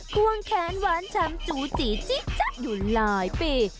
ควงแขนหวานชำปูจีจี๊ดอยู่หลายปี